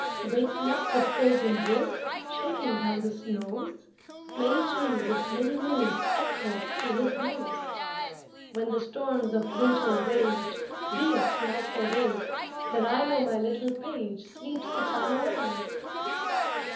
Waking up the frozen woods, Shaking down the snows; Many trees of many moods Echo to his blows. When the storms of winter rage, Be it night or day, Then I know my little page Sleeps the time away.